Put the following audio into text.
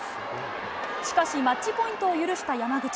しかし、マッチポイントを許した山口。